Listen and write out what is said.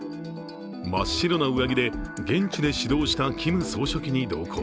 真っ白な上着で、現地で指導したキム総書記に同行。